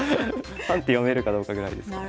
３手読めるかどうかぐらいですかね。